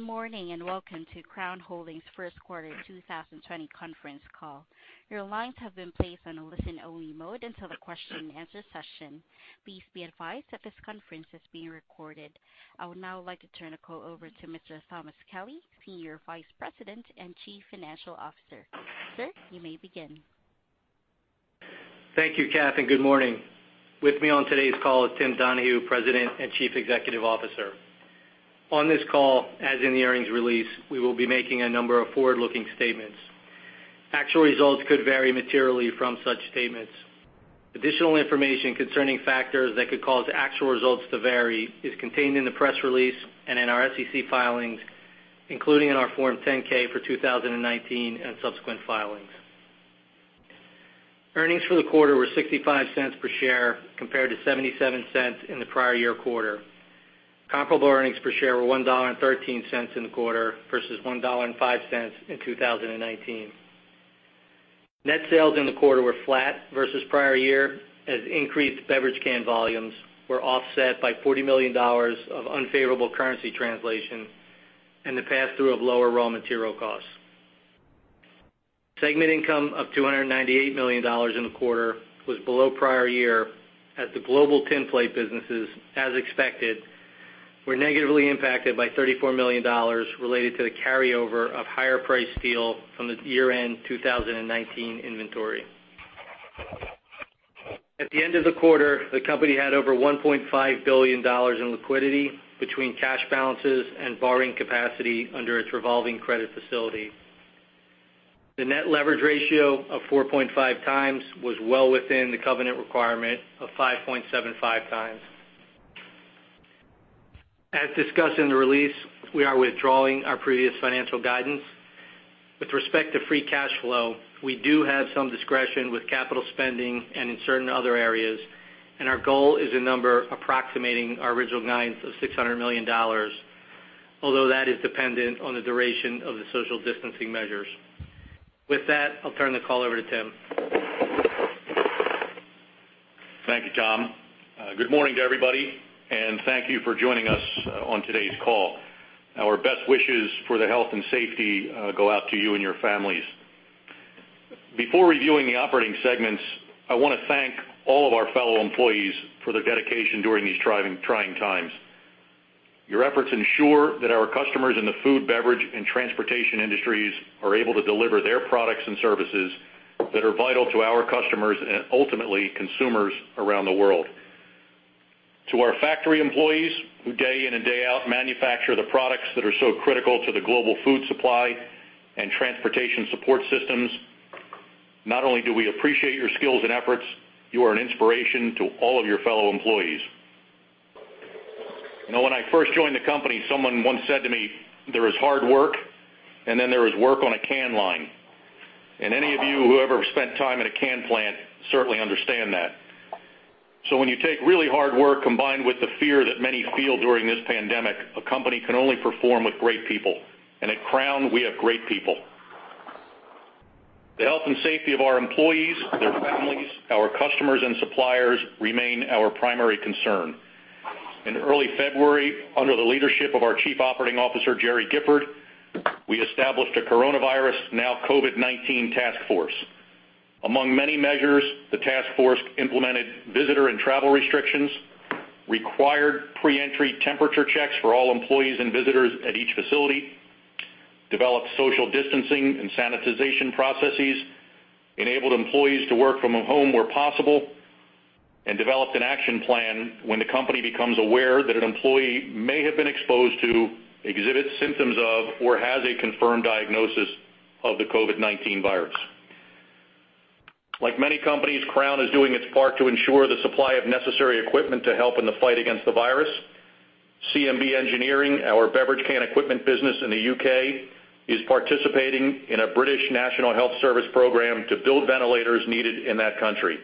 Good morning, and welcome to Crown Holdings first quarter 2020 conference call. Your lines have been placed on a listen-only mode until the question-and-answer session. Please be advised that this conference is being recorded. I would now like to turn the call over to Mr. Thomas Kelly, Senior Vice President and Chief Financial Officer. Sir, you may begin. Thank you, Kathy. Good morning? With me on today's call is Tim Donahue, President and Chief Executive Officer. On this call, as in the earnings release, we will be making a number of forward-looking statements. Actual results could vary materially from such statements. Additional information concerning factors that could cause actual results to vary is contained in the press release and in our SEC filings, including in our Form 10-K for 2019 and subsequent filings. Earnings for the quarter were $0.65 per share compared to $0.77 in the prior year quarter. Comparable earnings per share were $1.13 in the quarter versus $1.05 in 2019. Net sales in the quarter were flat versus prior year, as increased beverage can volumes were offset by $40 million of unfavorable currency translation and the pass-through of lower raw material costs. Segment income of $298 million in the quarter was below prior year as the global tinplate businesses, as expected, were negatively impacted by $34 million related to the carryover of higher-priced steel from the year-end 2019 inventory. At the end of the quarter, the company had over $1.5 billion in liquidity between cash balances and borrowing capacity under its revolving credit facility. The net leverage ratio of 4.5x was well within the covenant requirement of 5.75x. As discussed in the release, we are withdrawing our previous financial guidance. With respect to free cash flow, we do have some discretion with capital spending and in certain other areas, and our goal is a number approximating our original guidance of $600 million, although that is dependent on the duration of the social distancing measures. With that, I'll turn the call over to Tim. Thank you, Thomas. Good morning to everybody, and thank you for joining us on today's call. Our best wishes for the health and safety go out to you and your families. Before reviewing the operating segments, I want to thank all of our fellow employees for their dedication during these trying times. Your efforts ensure that our customers in the food, beverage, and transportation industries are able to deliver their products and services that are vital to our customers and ultimately consumers around the world. To our factory employees, who day in and day out manufacture the products that are so critical to the global food supply and transportation support systems, not only do we appreciate your skills and efforts, you are an inspiration to all of your fellow employees. When I first joined the company, someone once said to me, there is hard work, and then there is work on a can line. Any of you who ever spent time in a can plant certainly understand that. When you take really hard work combined with the fear that many feel during this pandemic, a company can only perform with great people, and at Crown, we have great people. The health and safety of our employees, their families, our customers, and suppliers remain our primary concern. In early February, under the leadership of our Chief Operating Officer, Gerry Gifford, we established a coronavirus, now COVID-19, task force. Among many measures, the task force implemented visitor and travel restrictions, required pre-entry temperature checks for all employees and visitors at each facility, developed social distancing and sanitization processes, enabled employees to work from home where possible, and developed an action plan when the company becomes aware that an employee may have been exposed to, exhibits symptoms of, or has a confirmed diagnosis of the COVID-19 virus. Like many companies, Crown is doing its part to ensure the supply of necessary equipment to help in the fight against the virus. CMB Engineering, our beverage can equipment business in the U.K., is participating in a British National Health Service program to build ventilators needed in that country.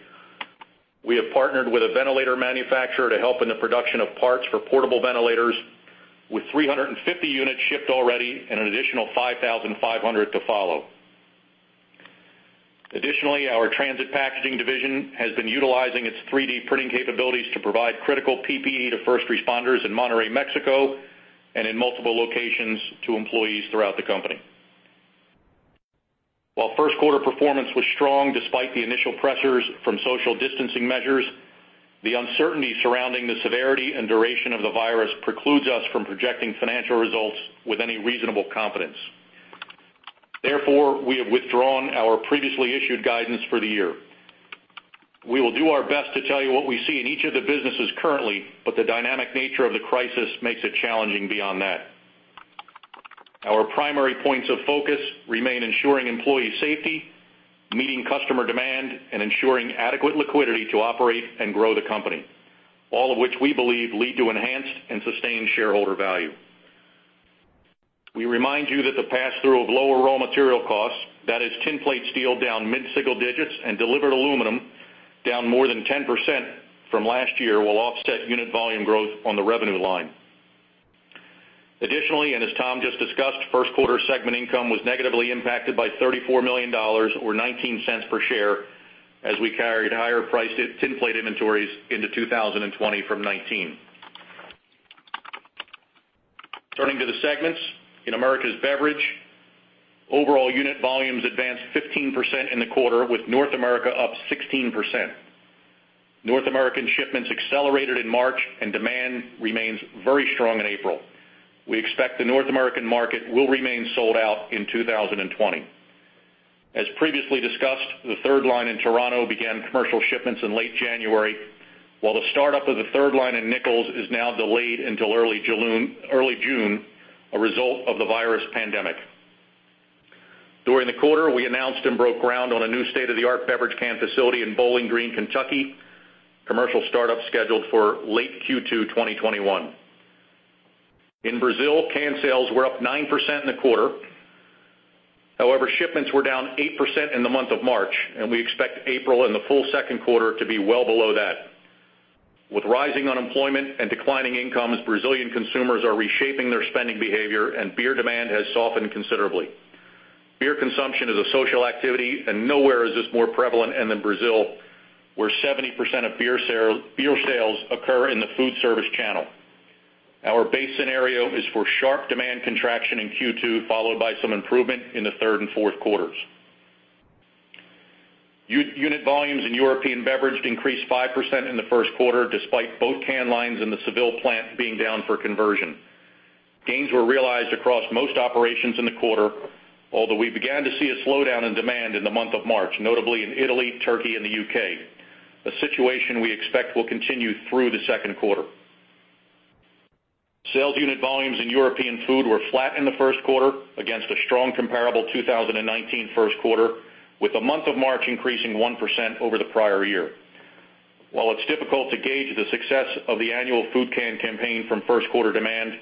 We have partnered with a ventilator manufacturer to help in the production of parts for portable ventilators, with 350 units shipped already and an additional 5,500 to follow. Additionally, our Transit Packaging Division has been utilizing its 3D printing capabilities to provide critical PPE to first responders in Monterrey, Mexico, and in multiple locations to employees throughout the company. While first quarter performance was strong despite the initial pressures from social distancing measures, the uncertainty surrounding the severity and duration of the virus precludes us from projecting financial results with any reasonable confidence. We have withdrawn our previously issued guidance for the year. We will do our best to tell you what we see in each of the businesses currently, the dynamic nature of the crisis makes it challenging beyond that. Our primary points of focus remain ensuring employee safety, meeting customer demand, and ensuring adequate liquidity to operate and grow the company. All of which we believe lead to enhanced and sustained shareholder value. We remind you that the pass-through of lower raw material costs, that is tinplate steel down mid-single digits and delivered aluminum down more than 10% from last year, will offset unit volume growth on the revenue line. Additionally, as Thomas just discussed, first quarter segment income was negatively impacted by $34 million, or $0.19 per share. As we carried higher priced tinplate inventories into 2020 from 2019. Turning to the segments. In Americas Beverage, overall unit volumes advanced 15% in the quarter, with North America up 16%. North American shipments accelerated in March and demand remains very strong in April. We expect the North American market will remain sold out in 2020. As previously discussed, the third line in Toronto began commercial shipments in late January, while the start-up of the third line in Nichols is now delayed until early June, a result of the virus pandemic. During the quarter, we announced and broke ground on a new state-of-the-art beverage can facility in Bowling Green, Kentucky. Commercial start-up scheduled for late Q2 2021. In Brazil, can sales were up 9% in the quarter. Shipments were down 8% in the month of March, and we expect April and the full second quarter to be well below that. With rising unemployment and declining incomes, Brazilian consumers are reshaping their spending behavior and beer demand has softened considerably. Beer consumption is a social activity, nowhere is this more prevalent than in Brazil, where 70% of beer sales occur in the food service channel. Our base scenario is for sharp demand contraction in Q2, followed by some improvement in the third and fourth quarters. Unit volumes in European Beverage increased 5% in the first quarter, despite both can lines in the Seville plant being down for conversion. Gains were realized across most operations in the quarter, although we began to see a slowdown in demand in the month of March, notably in Italy, Turkey and the U.K., a situation we expect will continue through the second quarter. Sales unit volumes in European Food were flat in the first quarter against a strong comparable 2019 first quarter, with the month of March increasing 1% over the prior year. While it's difficult to gauge the success of the annual food can campaign from first quarter demand,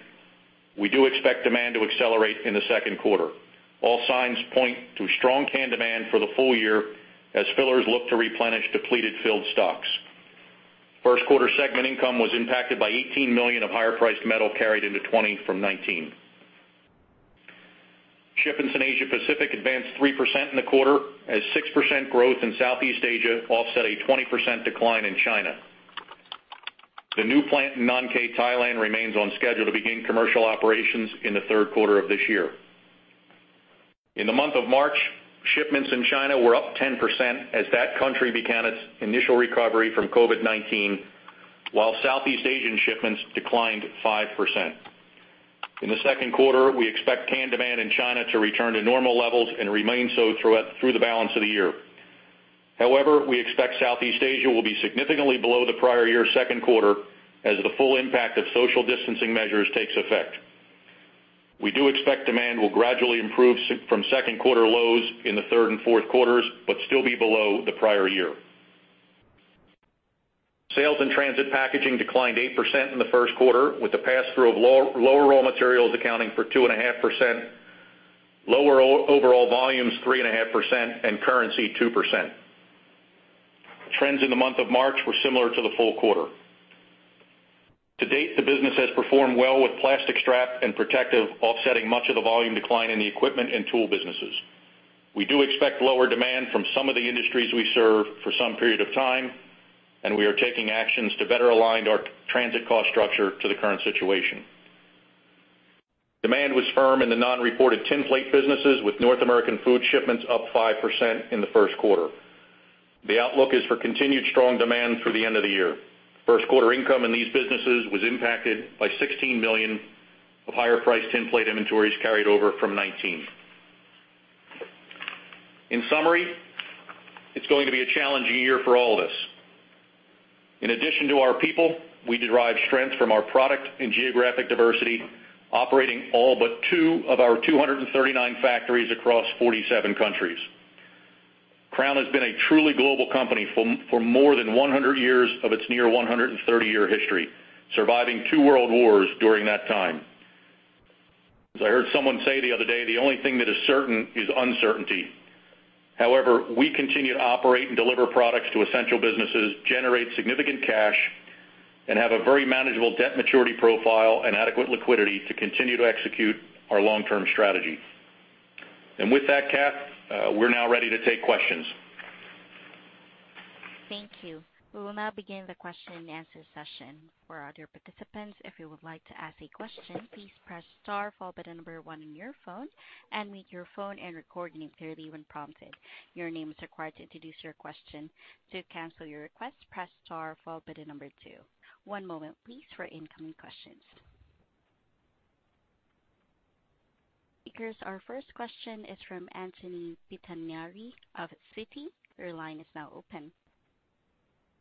we do expect demand to accelerate in the second quarter. All signs point to strong can demand for the full year as fillers look to replenish depleted filled stocks. First quarter segment income was impacted by $18 million of higher priced metal carried into 2020 from 2019. Shipments in Asia-Pacific advanced 3% in the quarter, as 6% growth in Southeast Asia offset a 20% decline in China. The new plant in Nong Khae, Thailand remains on schedule to begin commercial operations in the third quarter of this year. In the month of March, shipments in China were up 10% as that country began its initial recovery from COVID-19, while Southeast Asian shipments declined 5%. In the second quarter, we expect can demand in China to return to normal levels and remain so through the balance of the year. However, we expect Southeast Asia will be significantly below the prior year second quarter as the full impact of social distancing measures takes effect. We do expect demand will gradually improve from second quarter lows in the third and fourth quarters, but still be below the prior year. Sales in transit packaging declined 8% in the first quarter, with the pass-through of lower raw materials accounting for 2.5%, lower overall volumes 3.5%, and currency 2%. Trends in the month of March were similar to the full quarter. To date, the business has performed well with plastic strap and protective offsetting much of the volume decline in the equipment and tool businesses. We do expect lower demand from some of the industries we serve for some period of time, and we are taking actions to better align the transit cost structure to the current situation. Demand was firm in the non-reported tinplate businesses, with North American Food shipments up 5% in the first quarter. The outlook is for continued strong demand through the end of the year. First quarter income in these businesses was impacted by $16 million of higher priced tinplate inventories carried over from 2019. In summary, it's going to be a challenging year for all of us. In addition to our people, we derive strength from our product and geographic diversity, operating all but two of our 239 factories across 47 countries. Crown has been a truly global company for more than 100 years of its near 130-year history, surviving two World Wars during that time. As I heard someone say the other day, the only thing that is certain is uncertainty. However, we continue to operate and deliver products to essential businesses, generate significant cash, and have a very manageable debt maturity profile and adequate liquidity to continue to execute our long-term strategy. With that, Cath, we're now ready to take questions. Thank you. We will now begin the question-and-answer session. For our dear participants, if you would like to ask a question, please press star, followed by the number one on your phone, and wait for your phone and recording clearly when prompted. Your name is required to introduce your question. To cancel your request, press star followed by the number two. One moment please for incoming questions. Speakers, our first question is from Anthony Pettinari of Citi, your line is now open.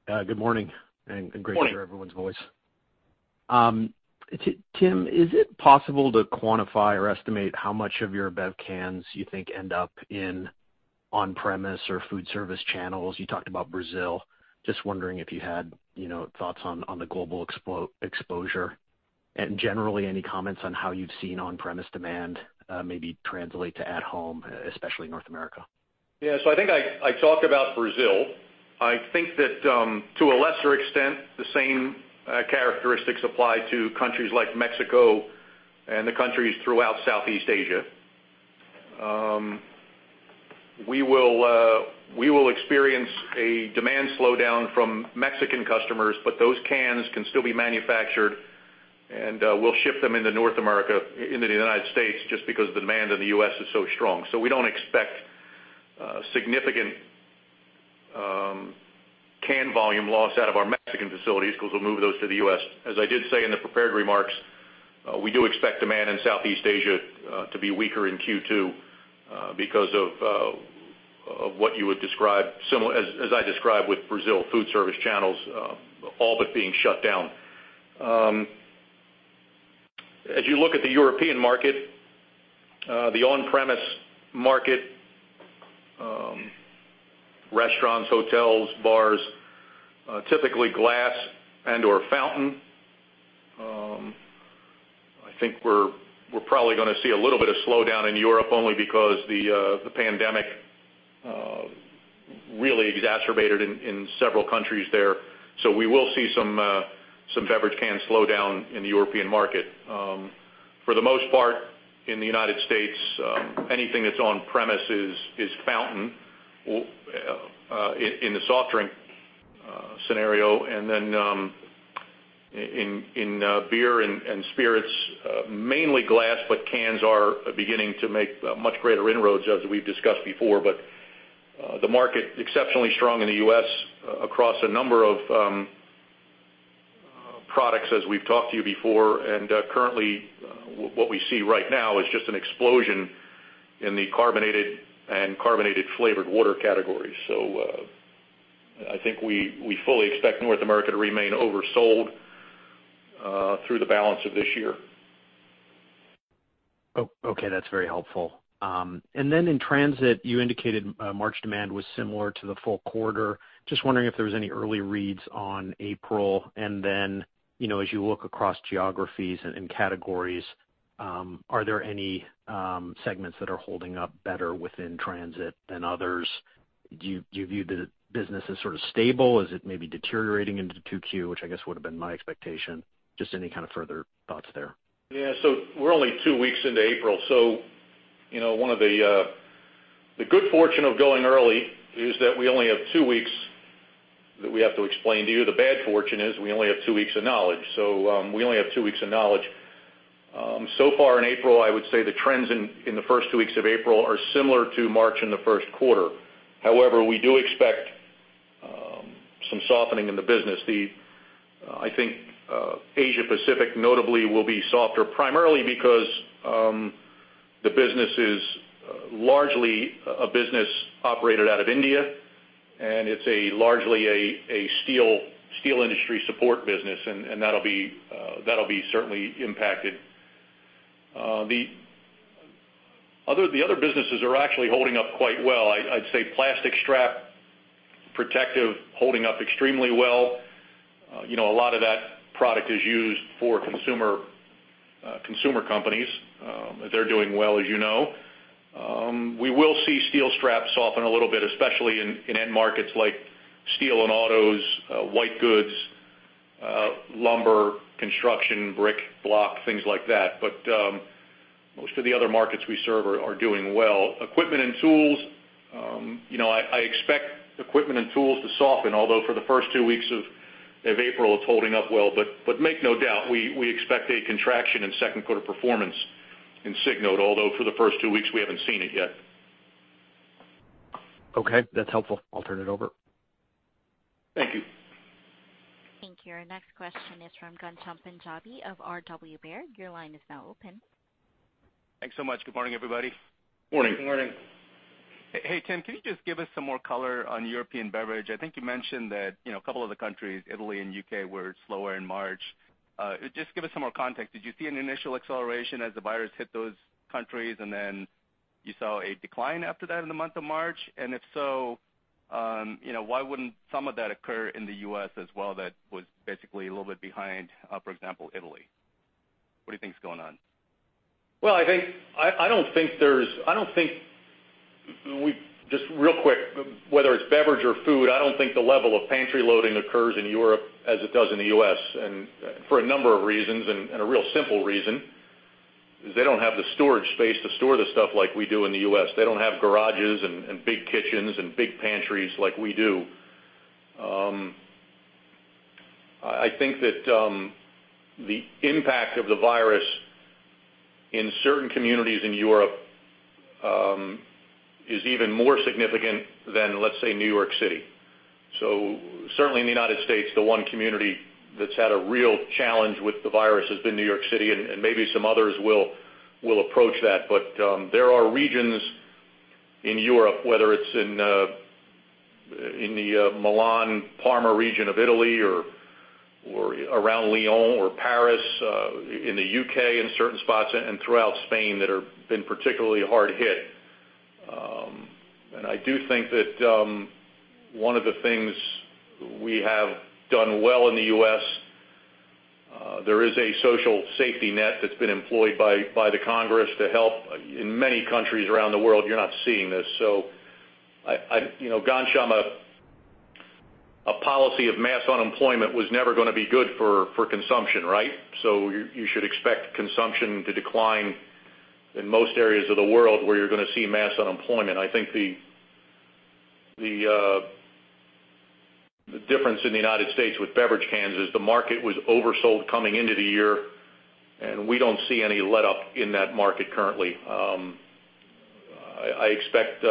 Good morning and great to hear everyone's voice. Morning. Tim, is it possible to quantify or estimate how much of your bev-cans you think end up in on-premise or food service channels? You talked about Brazil. Just wondering if you had thoughts on the global exposure? Generally, any comments on how you've seen on-premise demand maybe translate to at home, especially in North America? I think I talk about Brazil. I think that, to a lesser extent, the same characteristics apply to countries like Mexico and the countries throughout Southeast Asia. We will experience a demand slowdown from Mexican customers, but those cans can still be manufactured, and we'll ship them into North America, into the United States, just because the demand in the U.S. is so strong. We don't expect significant can volume loss out of our Mexican facilities because we'll move those to the U.S. As I did say in the prepared remarks, we do expect demand in Southeast Asia to be weaker in Q2 because of what you would describe, as I described with Brazil food service channels all but being shut down. As you look at the European market, the on-premise market, restaurants, hotels, bars, typically glass and/or fountain. I think we're probably going to see a little bit of slowdown in Europe only because the pandemic really exacerbated in several countries there. We will see some beverage can slow down in the European market. For the most part, in the U.S., anything that's on-premise is fountain, in the soft drink scenario. Then in beer and spirits, mainly glass, but cans are beginning to make much greater inroads, as we've discussed before. The market exceptionally strong in the U.S. across a number of products, as we've talked to you before. Currently, what we see right now is just an explosion in the carbonated and carbonated flavored water categories. I think we fully expect North America to remain oversold through the balance of this year. Okay, that's very helpful. In transit, you indicated March demand was similar to the full quarter. Are there any early reads on April? As you look across geographies and categories, are there any segments that are holding up better within transit than others? Do you view the business as sort of stable? Is it maybe deteriorating into 2Q, which I guess would have been my expectation? Are there any further thoughts there? Yeah. We're only two weeks into April. The good fortune of going early is that we only have two weeks that we have to explain to you. The bad fortune is we only have two weeks of knowledge. We only have two weeks of knowledge. Far in April, I would say the trends in the first two weeks of April are similar to March in the first quarter. However, we do expect some softening in the business. I think Asia-Pacific notably will be softer, primarily because, the business is largely a business operated out of India, and it's largely a steel industry support business, and that'll be certainly impacted. The other businesses are actually holding up quite well. I'd say plastic strap protective holding up extremely well. A lot of that product is used for consumer companies. They're doing well, as you know. We will see steel strap soften a little bit, especially in end markets like steel and autos, white goods, lumber, construction, brick, block, things like that. Most of the other markets we serve are doing well. Equipment and tools, I expect equipment and tools to soften. Although for the first two weeks of April, it's holding up well. Make no doubt, we expect a contraction in second quarter performance in Signode, although for the first two weeks we haven't seen it yet. Okay, that's helpful. I'll turn it over. Thank you. Thank you. Our next question is from Ghansham Panjabi of R.W. Baird, your line is now open. Thanks so much. Good morning, everybody? Morning. Good morning. Hey, Tim, can you just give us some more color on European Beverage? I think you mentioned that a couple of the countries, Italy and U.K., were slower in March. Just give us some more context. Did you see an initial acceleration as the virus hit those countries, and then you saw a decline after that in the month of March? If so, why wouldn't some of that occur in the U.S. as well, that was basically a little bit behind, for example, Italy? What do you think is going on? Well, just real quick, whether it's beverage or food, I don't think the level of pantry loading occurs in Europe as it does in the U.S., and for a number of reasons, and a real simple reason is they don't have the storage space to store the stuff like we do in the U.S. They don't have garages and big kitchens and big pantries like we do. I think that the impact of the virus in certain communities in Europe is even more significant than, let's say, New York City. Certainly in the United States, the one community that's had a real challenge with the virus has been New York City, and maybe some others will approach that. There are regions in Europe, whether it's in the Milan, Parma region of Italy or around Lyon or Paris, in the U.K. in certain spots, and throughout Spain, that have been particularly hard hit. And I do think that one of the things we have done well in the U.S., there is a social safety net that's been employed by the Congress to help. In many countries around the world, you're not seeing this. Ghansham, a policy of mass unemployment was never going to be good for consumption, right? You should expect consumption to decline in most areas of the world where you're going to see mass unemployment. I think the difference in the United States with beverage cans is the market was oversold coming into the year, and we don't see any letup in that market currently. I expect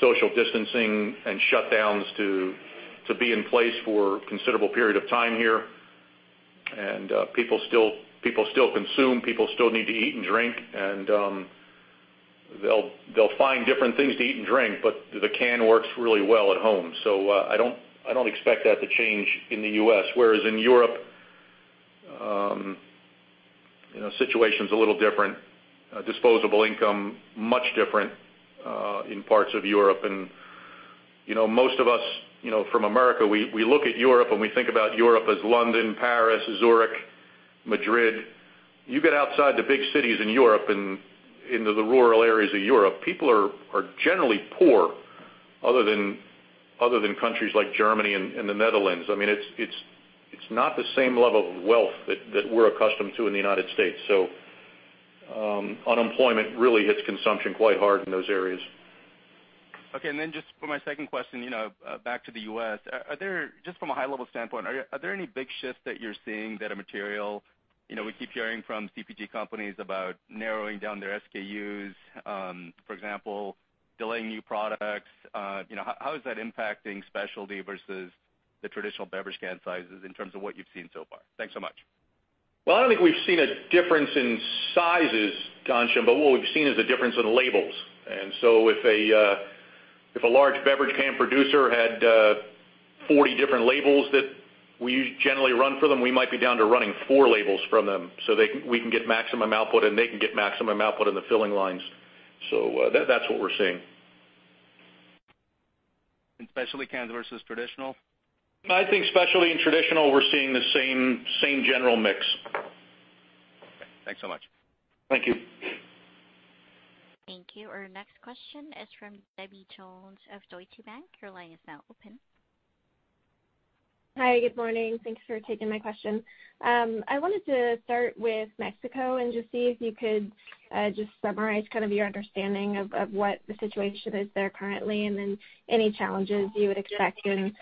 social distancing and shutdowns to be in place for a considerable period of time here. People still consume. People still need to eat and drink, and they'll find different things to eat and drink, but the can works really well at home. I don't expect that to change in the U.S. Whereas in Europe, the situation's a little different. Disposable income, much different in parts of Europe. Most of us from America, we look at Europe and we think about Europe as London, Paris, Zurich, Madrid. You get outside the big cities in Europe and into the rural areas of Europe, people are generally poor other than countries like Germany and the Netherlands. It's not the same level of wealth that we're accustomed to in the United States. Unemployment really hits consumption quite hard in those areas. Just for my second question, back to the U.S. Just from a high-level standpoint, are there any big shifts that you're seeing that are material? We keep hearing from CPG companies about narrowing down their SKUs, for example, delaying new products. How is that impacting specialty versus the traditional beverage can sizes in terms of what you've seen so far? Thanks so much. Well, I don't think we've seen a difference in sizes, Ghansham, what we've seen is a difference in labels. If a large beverage can producer had 40 different labels that we generally run for them, we might be down to running four labels from them so we can get maximum output and they can get maximum output in the filling lines. That's what we're seeing. In specialty cans versus traditional? I think specialty and traditional, we're seeing the same general mix. Okay. Thanks so much. Thank you. Thank you. Our next question is from Debbie Jones of Deutsche Bank, your line is now open. Hi, good morning? Thanks for taking my question. I wanted to start with Mexico and just see if you could just summarize your understanding of what the situation is there currently, and then any challenges you would expect in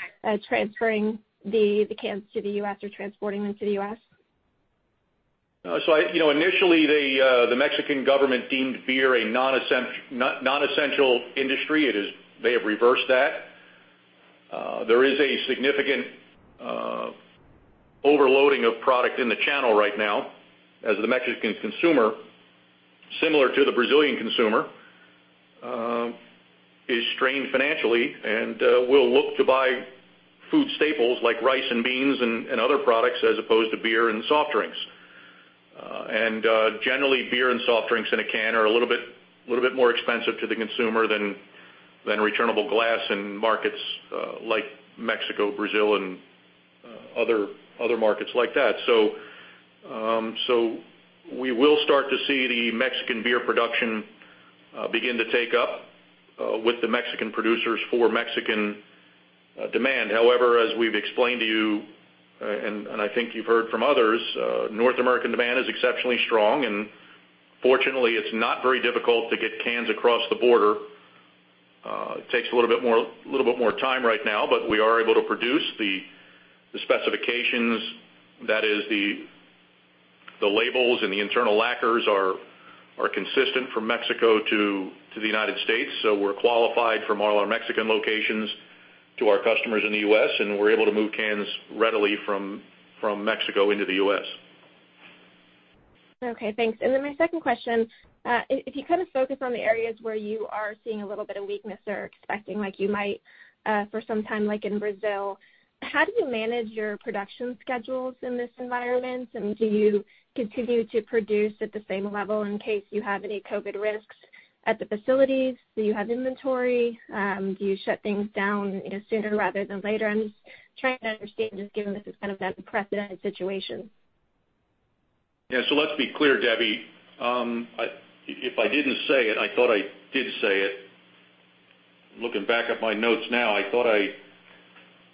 transferring the cans to the U.S. or transporting them to the U.S. Initially, the Mexican Government deemed beer a non-essential industry. They have reversed that. There is a significant overloading of product in the channel right now as the Mexican consumer, similar to the Brazilian consumer, is strained financially and will look to buy food staples like rice and beans and other products as opposed to beer and soft drinks. Generally, beer and soft drinks in a can are a little bit more expensive to the consumer than returnable glass in markets like Mexico, Brazil, and other markets like that. We will start to see the Mexican beer production begin to take up with the Mexican producers for Mexican demand. However, as we've explained to you, and I think you've heard from others, North American demand is exceptionally strong, and fortunately, it's not very difficult to get cans across the border. It takes a little bit more time right now, but we are able to produce the specifications. That is, the labels and the internal lacquers are consistent from Mexico to the United States. We're qualified from all our Mexican locations to our customers in the U.S., and we're able to move cans readily from Mexico into the U.S. Okay, thanks. My second question, if you focus on the areas where you are seeing a little bit of weakness or expecting like you might, for some time, like in Brazil, how do you manage your production schedules in this environment? Do you continue to produce at the same level in case you have any COVID-19 risks at the facilities? Do you have inventory? Do you shut things down sooner rather than later? I'm just trying to understand, just given this is kind of an unprecedented situation. Yeah. Let's be clear, Debbie. If I didn't say it, I thought I did say it. Looking back at my notes now, I thought I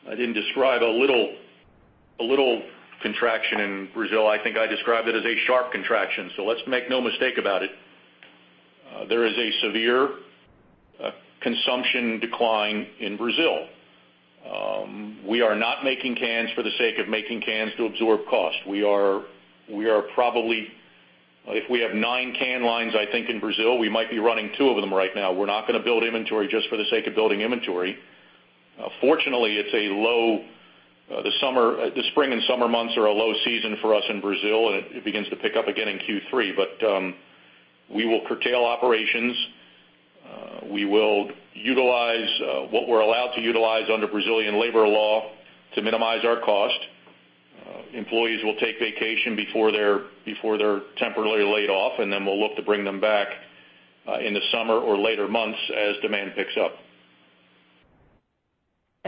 didn't describe a little contraction in Brazil. I think I described it as a sharp contraction. Let's make no mistake about it, there is a severe consumption decline in Brazil. We are not making cans for the sake of making cans to absorb cost. If we have nine can lines, I think, in Brazil, we might be running two of them right now. We're not going to build inventory just for the sake of building inventory. Fortunately, the spring and summer months are a low season for us in Brazil, and it begins to pick up again in Q3. We will curtail operations. We will utilize what we're allowed to utilize under Brazilian labor law to minimize our cost. Employees will take vacation before they're temporarily laid off, and then we'll look to bring them back in the summer or later months as demand picks up.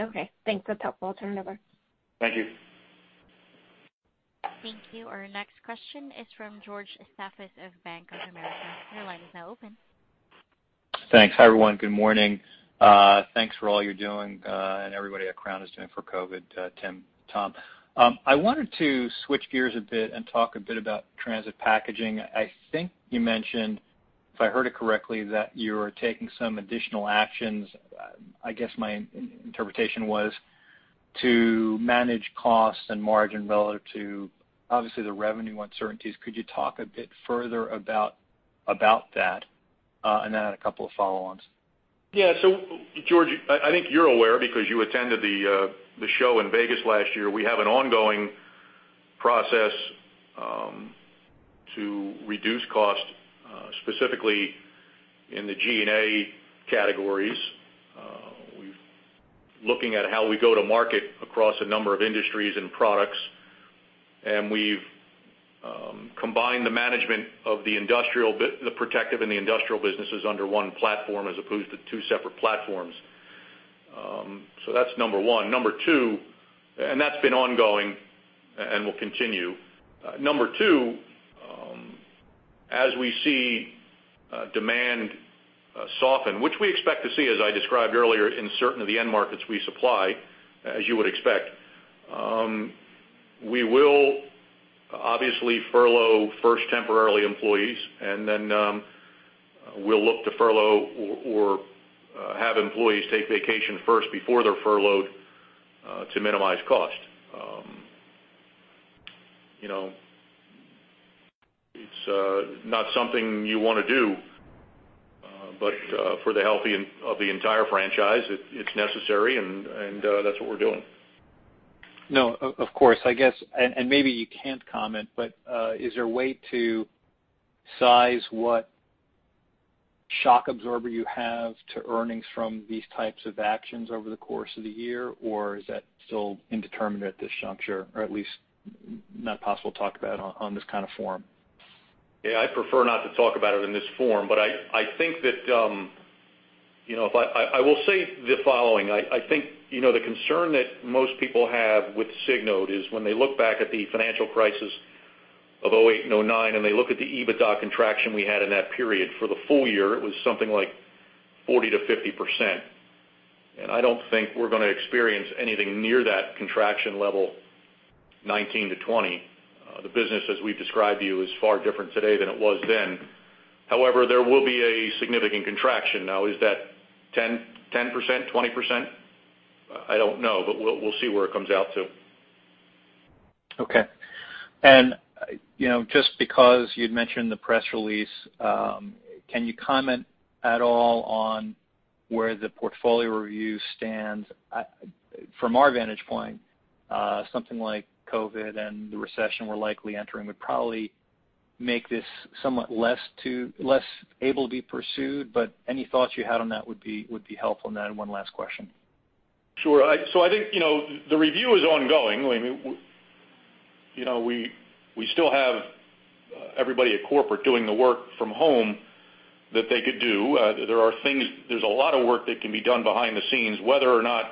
Okay, thanks. That's helpful. I'll turn it over. Thank you. Thank you. Our next question is from George Staphos of Bank of America, your line is now open. Thanks. Hi, everyone. Good morning? Thanks for all you're doing, and everybody at Crown is doing for COVID-19, Thomas. I wanted to switch gears a bit and talk a bit about transit packaging. I think you mentioned, if I heard it correctly, that you're taking some additional actions. I guess my interpretation was to manage costs and margin relative to, obviously, the revenue uncertainties. Could you talk a bit further about that? I had a couple of follow-ons. Yeah. George, I think you're aware because you attended the show in Vegas last year. We have an ongoing process to reduce cost, specifically in the G&A categories. We're looking at how we go to market across a number of industries and products. We've combined the management of the protective and the industrial businesses under one platform, as opposed to two separate platforms. That's number one. That's been ongoing and will continue. Number two, as we see demand soften, which we expect to see, as I described earlier, in certain of the end markets we supply, as you would expect. We will obviously furlough first temporarily employees, and then we'll look to furlough or have employees take vacation first before they're furloughed to minimize cost. It's not something you want to do, but for the health of the entire franchise, it's necessary, and that's what we're doing. No, of course. I guess, and maybe you can't comment, but is there a way to size what shock absorber you have to earnings from these types of actions over the course of the year? Is that still indeterminate at this juncture, or at least not possible to talk about on this kind of forum? Yeah, I'd prefer not to talk about it in this forum. I will say the following, I think, the concern that most people have with Signode is when they look back at the financial crisis of 2008 and 2009, and they look at the EBITDA contraction we had in that period. For the full year, it was something like 40%-50%. I don't think we're going to experience anything near that contraction level 2019-2020. The business, as we've described to you, is far different today than it was then. However, there will be a significant contraction. Now, is that 10%, 20%? I don't know, but we'll see where it comes out to. Okay. Just because you'd mentioned the press release, can you comment at all on where the portfolio review stands? From our vantage point, something like COVID and the recession we're likely entering would probably make this somewhat less able to be pursued. Any thoughts you had on that would be helpful on that. One last question. Sure. I think, the review is ongoing. We still have everybody at corporate doing the work from home that they could do. There's a lot of work that can be done behind the scenes, whether or not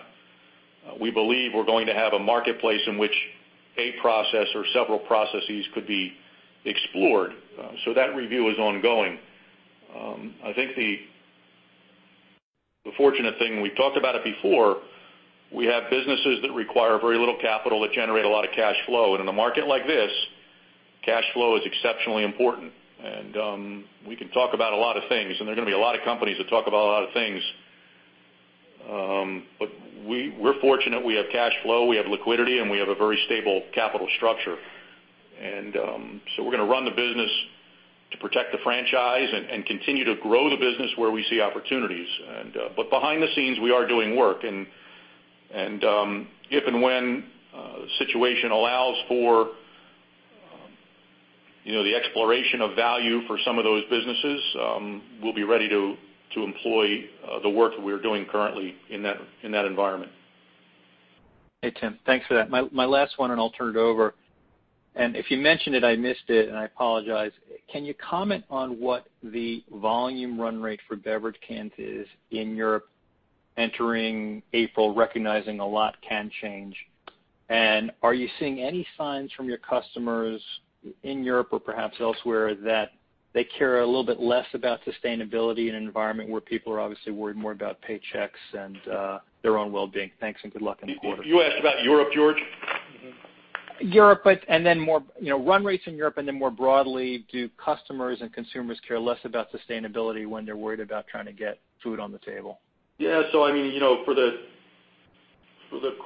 we believe we're going to have a marketplace in which a process or several processes could be explored. That review is ongoing. I think the fortunate thing, we've talked about it before, we have businesses that require very little capital that generate a lot of cash flow. In a market like this, cash flow is exceptionally important. We can talk about a lot of things, and there are going to be a lot of companies that talk about a lot of things. We're fortunate we have cash flow, we have liquidity, and we have a very stable capital structure. We're going to run the business to protect the franchise and continue to grow the business where we see opportunities. Behind the scenes, we are doing work. If and when the situation allows for the exploration of value for some of those businesses, we'll be ready to employ the work that we're doing currently in that environment. Hey, Tim. Thanks for that. My last one. I'll turn it over. If you mentioned it, I missed it, and I apologize. Can you comment on what the volume run rate for beverage cans is in Europe entering April, recognizing a lot can change? Are you seeing any signs from your customers in Europe or perhaps elsewhere that they care a little bit less about sustainability in an environment where people are obviously worried more about paychecks and their own well-being? Thanks, and good luck in the quarter. You asked about Europe, George? Europe, run rates in Europe, and then more broadly, do customers and consumers care less about sustainability when they're worried about trying to get food on the table? Yeah. I mean, for the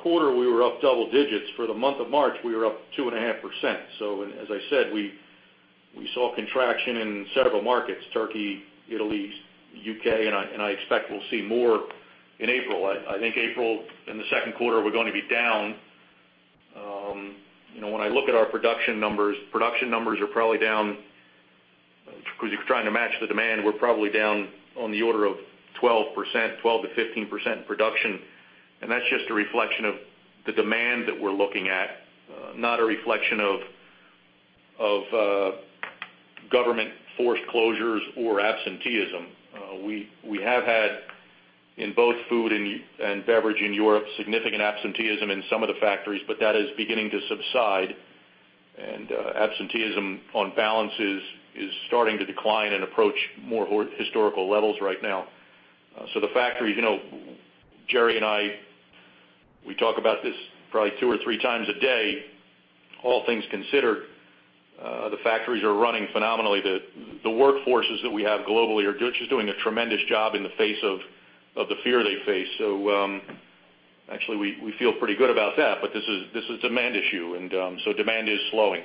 quarter, we were up double digits. For the month of March, we were up 2.5%. As I said, we saw contraction in several markets, Turkey, Italy, U.K., and I expect we'll see more in April. I think April, in the second quarter, we're going to be down. When I look at our production numbers, production numbers are probably down because you're trying to match the demand. We're probably down on the order of 12%-15% production. That's just a reflection of the demand that we're looking at, not a reflection of Government-forced closures or absenteeism. We have had, in both food and beverage in Europe, significant absenteeism in some of the factories, but that is beginning to subside, and absenteeism on balance is starting to decline and approach more historical levels right now. The factories, Gerry and I, we talk about this probably two or three times a day, all things considered, the factories are running phenomenally. The workforces that we have globally are just doing a tremendous job in the face of the fear they face. Actually, we feel pretty good about that. This is a demand issue, and demand is slowing.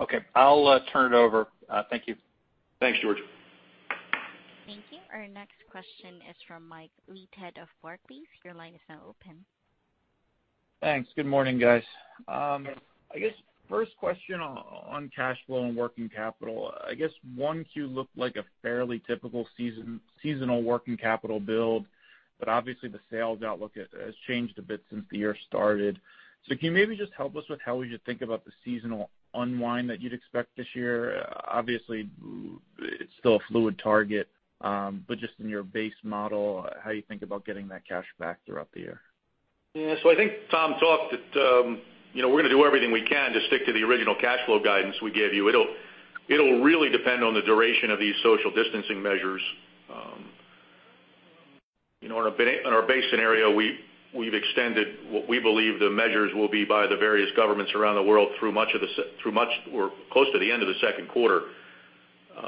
Okay. I'll turn it over. Thank you. Thanks, George. Thank you. Our next question is from Mike Leithead of Barclays, your line is now open. Thanks. Good morning guys? I guess first question on cash flow and working capital. I guess 1Q looked like a fairly typical seasonal working capital build. Obviously, the sales outlook has changed a bit since the year started. Can you maybe just help us with how we should think about the seasonal unwind that you'd expect this year? Obviously, it's still a fluid target. Just in your base model, how you think about getting that cash back throughout the year? Yeah. I think Thomas talked that we're going to do everything we can to stick to the original cash flow guidance we gave you. It'll really depend on the duration of these social distancing measures. In our base scenario, we've extended what we believe the measures will be by the various governments around the world through much, or close to the end of the second quarter.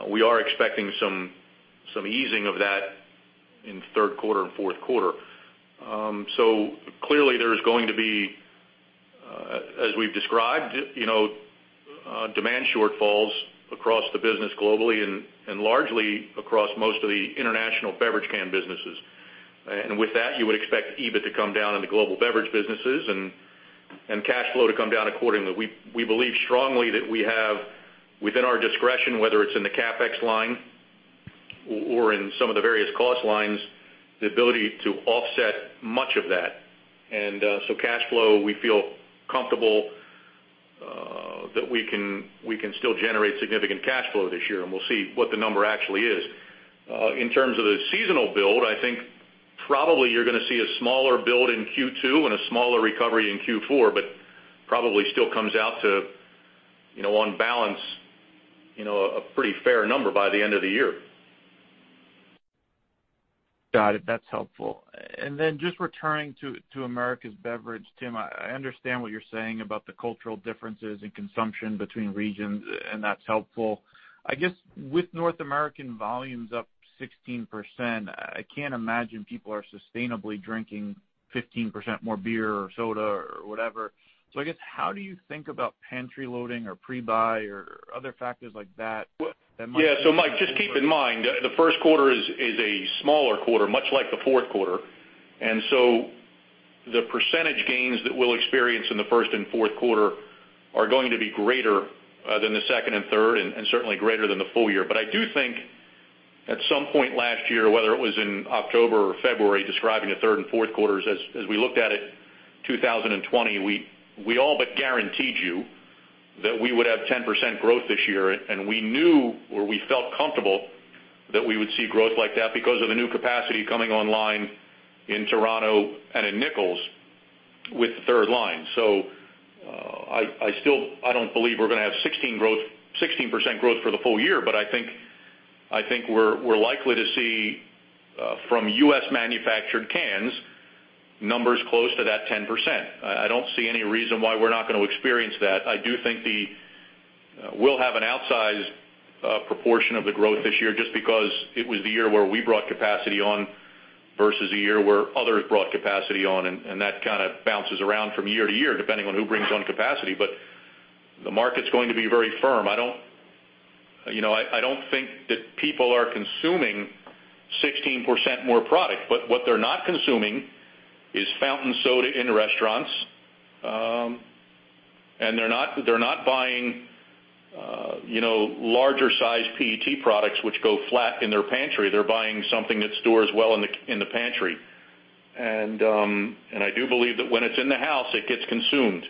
We are expecting some easing of that in third quarter and fourth quarter. Clearly there is going to be, as we've described, demand shortfalls across the business globally and largely across most of the international beverage can businesses. With that, you would expect EBIT to come down in the global beverage businesses and cash flow to come down accordingly. We believe strongly that we have, within our discretion, whether it's in the CapEx line or in some of the various cost lines, the ability to offset much of that. Cash flow, we feel comfortable that we can still generate significant cash flow this year, and we'll see what the number actually is. In terms of the seasonal build, I think probably you're going to see a smaller build in Q2 and a smaller recovery in Q4, but probably still comes out to, on balance, a pretty fair number by the end of the year. Got it. That's helpful. Then just returning to Americas' beverage, Tim, I understand what you're saying about the cultural differences in consumption between regions, and that's helpful. I guess with North American volumes up 16%, I can't imagine people are sustainably drinking 15% more beer or soda or whatever. I guess, how do you think about pantry loading or pre-buy or other factors like that? Yeah. Mike, just keep in mind, the first quarter is a smaller quarter, much like the fourth quarter. The percentage gains that we'll experience in the first and fourth quarter are going to be greater than the second and third, and certainly greater than the full year. I do think at some point last year, whether it was in October or February, describing the third and fourth quarters as we looked at it, 2020, we all but guaranteed you that we would have 10% growth this year, and we knew, or we felt comfortable that we would see growth like that because of the new capacity coming online in Toronto and in Nichols with the third line. I don't believe we're going to have 16% growth for the full year, but I think we're likely to see from U.S.-manufactured cans, numbers close to that 10%. I don't see any reason why we're not going to experience that. I do think we'll have an outsized proportion of the growth this year just because it was the year where we brought capacity on versus a year where others brought capacity on, and that kind of bounces around from year to year, depending on who brings on capacity. The market's going to be very firm. I don't think that people are consuming 16% more product, but what they're not consuming is fountain soda in restaurants. They're not buying larger size PET products, which go flat in their pantry. They're buying something that stores well in the pantry. I do believe that when it's in the house, it gets consumed.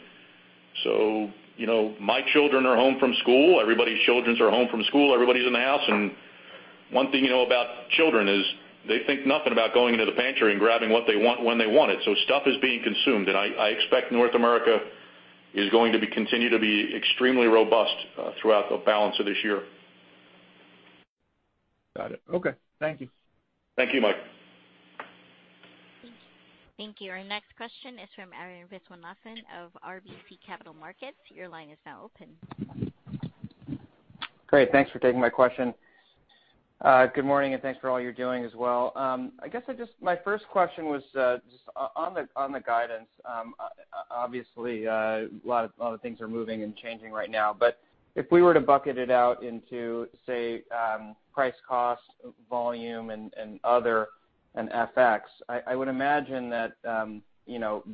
My children are home from school. Everybody's children are home from school. Everybody's in the house. One thing you know about children is they think nothing about going into the pantry and grabbing what they want when they want it. Stuff is being consumed, and I expect North America is going to continue to be extremely robust throughout the balance of this year. Got it. Okay. Thank you. Thank you, Mike. Thank you. Our next question is from Arun Viswanathan of RBC Capital Markets, your line is now open. Great. Thanks for taking my question. Good morning? Thanks for all you're doing as well. I guess my first question was just on the guidance. Obviously, a lot of things are moving and changing right now. If we were to bucket it out into, say, price, cost, volume, and other, and FX, I would imagine that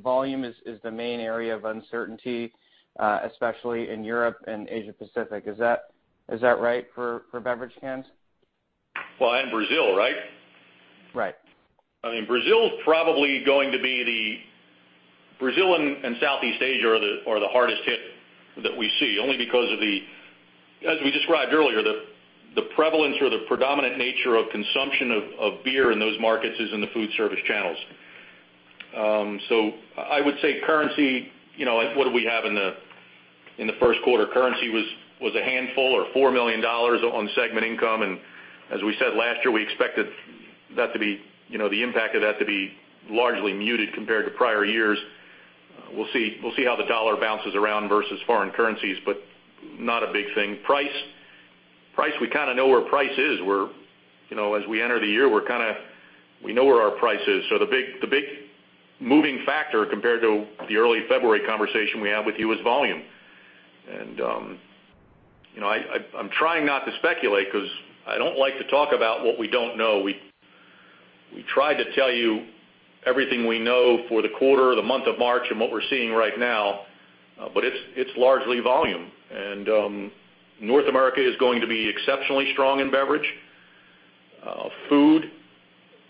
volume is the main area of uncertainty, especially in Europe and Asia Pacific. Is that right for beverage cans? Well, Brazil, right? Right. Brazil and Southeast Asia are the hardest hit that we see, only because of the, as we described earlier, the prevalence or the predominant nature of consumption of beer in those markets is in the food service channels. I would say currency, like what did we have in the first quarter, currency was a handful or $4 million on segment income. As we said last year, we expected the impact of that to be largely muted compared to prior years. We'll see how the dollar bounces around versus foreign currencies, but not a big thing. Price, we kind of know where price is. As we enter the year, we know where our price is. The big moving factor compared to the early February conversation we had with you is volume. I'm trying not to speculate because I don't like to talk about what we don't know. We try to tell you everything we know for the quarter, the month of March, and what we're seeing right now, but it's largely volume. North America is going to be exceptionally strong in beverage. Food,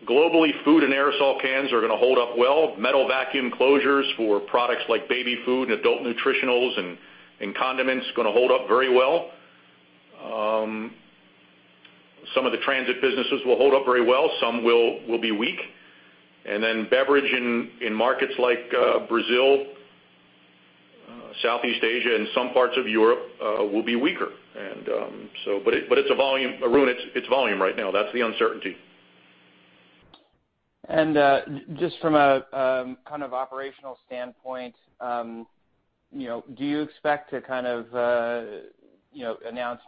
globally, food and aerosol cans are going to hold up well. Metal vacuum closures for products like baby food and adult nutritionals and condiments are going to hold up very well. Some of the transit businesses will hold up very well, some will be weak. Beverage in markets like Brazil, Southeast Asia, and some parts of Europe will be weaker. Arun, it's volume right now. That's the uncertainty. Just from a kind of operational standpoint, do you expect to announce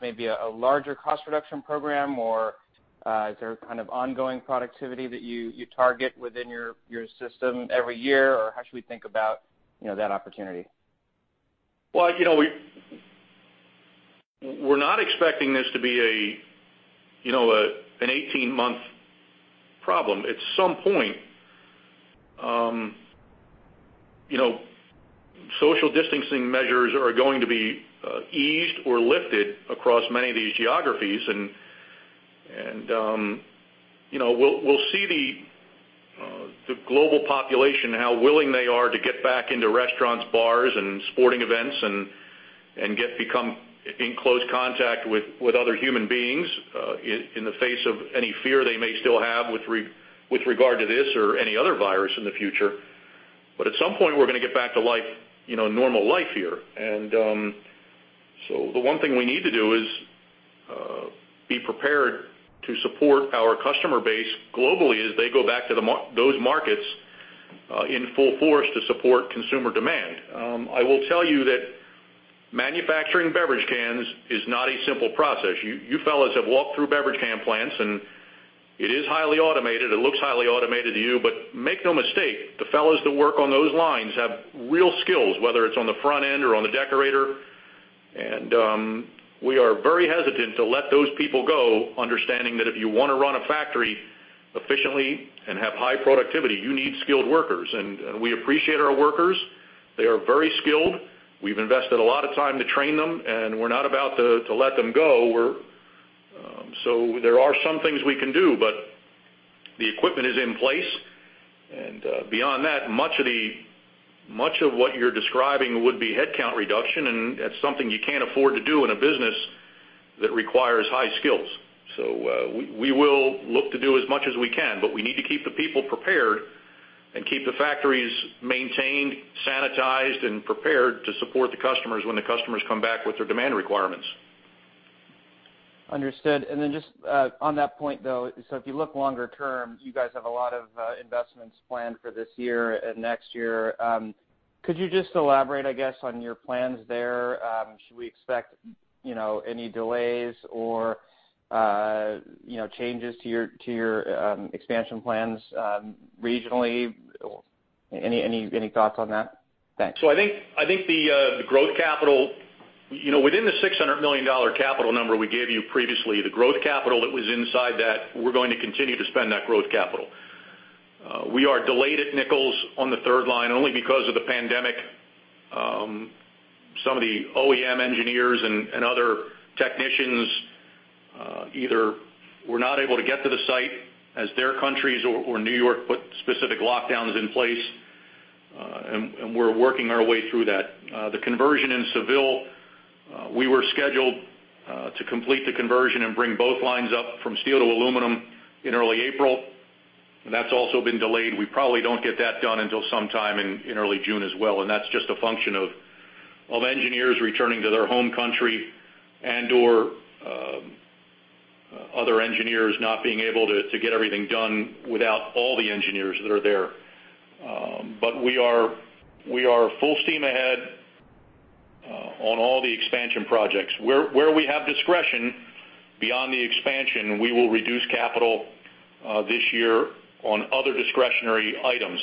maybe a larger cost reduction program, or is there kind of ongoing productivity that you target within your system every year, or how should we think about that opportunity? Well, we're not expecting this to be an 18-month problem. At some point, social distancing measures are going to be eased or lifted across many of these geographies, and we'll see the global population, how willing they are to get back into restaurants, bars, and sporting events and become in close contact with other human beings, in the face of any fear they may still have with regard to this or any other virus in the future. At some point, we're going to get back to normal life here. The one thing we need to do is be prepared to support our customer base globally as they go back to those markets in full force to support consumer demand. I will tell you that manufacturing beverage cans is not a simple process. You fellas have walked through beverage can plants, and it is highly automated. It looks highly automated to you, but make no mistake, the fellas that work on those lines have real skills, whether it's on the front end or on the decorator. We are very hesitant to let those people go, understanding that if you want to run a factory efficiently and have high productivity, you need skilled workers. We appreciate our workers. They are very skilled. We've invested a lot of time to train them, and we're not about to let them go. There are some things we can do, but the equipment is in place. Beyond that, much of what you're describing would be headcount reduction, and that's something you can't afford to do in a business that requires high skills. We will look to do as much as we can, but we need to keep the people prepared and keep the factories maintained, sanitized, and prepared to support the customers when the customers come back with their demand requirements. Understood. Just on that point, though, so if you look longer term, you guys have a lot of investments planned for this year and next year. Could you just elaborate, I guess, on your plans there? Should we expect any delays or changes to your expansion plans regionally? Any thoughts on that? Thanks. I think the growth capital, within the $600 million capital number we gave you previously, the growth capital that was inside that, we're going to continue to spend that growth capital. We are delayed at Nichols on the third line only because of the pandemic. Some of the OEM engineers and other technicians either were not able to get to the site as their countries or New York put specific lockdowns in place, and we're working our way through that. The conversion in Seville, we were scheduled to complete the conversion and bring both lines up from steel to aluminum in early April. That's also been delayed. We probably don't get that done until sometime in early June as well, and that's just a function of engineers returning to their home country and/or other engineers not being able to get everything done without all the engineers that are there. We are full steam ahead on all the expansion projects. Where we have discretion beyond the expansion, we will reduce capital this year on other discretionary items.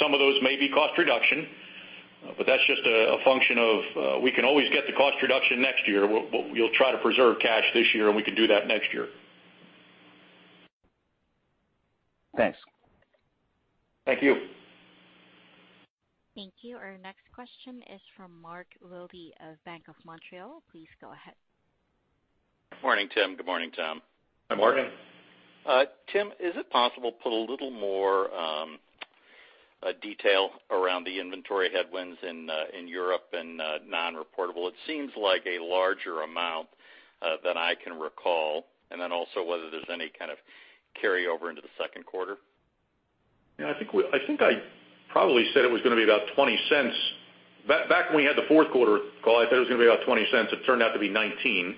Some of those may be cost reduction, but that's just a function of, we can always get the cost reduction next year. We'll try to preserve cash this year, and we can do that next year. Thanks. Thank you. Thank you. Our next question is from Mark Wilde of Bank of Montreal, please go ahead. Morning, Tim? Good morning, Thomas? Good morning. Tim, is it possible put a little more detail around the inventory headwinds in Europe and non-reportable? It seems like a larger amount than I can recall. Also whether there's any kind of carryover into the second quarter. Yeah, I think I probably said it was going to be about $0.20. Back when we had the fourth quarter call, I said it was going to be about $0.20. It turned out to be $0.19.